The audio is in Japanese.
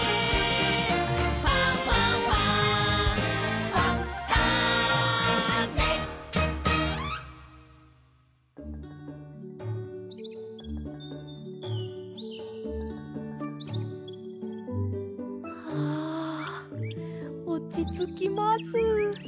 「ファンファンファン」はあおちつきます。